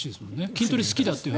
筋トレ好きだという。